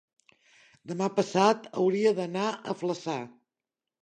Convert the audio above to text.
demà passat hauria d'anar a Flaçà.